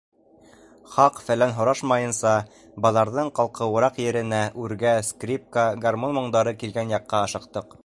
Хаҡ-фәлән һорашмайынса, баҙарҙың ҡалҡыуыраҡ еренә, үргә, скрипка, гармун моңдары килгән яҡҡа ашыҡтыҡ...